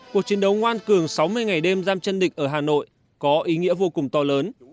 cuộc chiến đấu ngoan cường sáu mươi ngày đêm giam chân định ở hà nội có ý nghĩa vô cùng to lớn